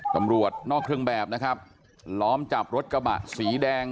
ตำรวจนอกเครื่องแบบนะครับล้อมจับรถกระบะสีแดง